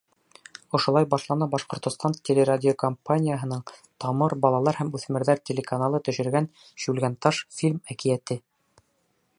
Ошолай башлана «Башҡортостан» телерадиокомпанияһының «Тамыр» балалар һәм үҫмерҙәр телеканалы төшөргән «Шүлгәнташ» фильм-әкиәте.